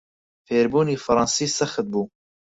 فێربوونی فەڕەنسی سەخت بوو.